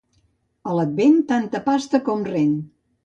A l'Advent, tanta pasta com rent.